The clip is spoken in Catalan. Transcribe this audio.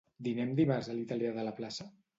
Dinem dimarts a l'italià de la plaça?